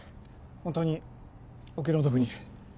本当にお気の毒に。